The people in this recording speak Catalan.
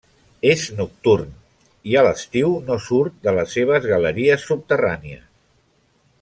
És nocturn, i a l'estiu no surt de les seves galeries subterrànies.